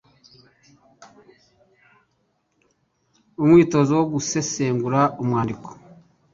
Umwitozo wo gusesengura umwandiko